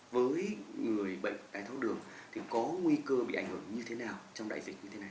với người bệnh đai tháo đường thì có nguy cơ bị ảnh hưởng như thế nào trong đại dịch như thế này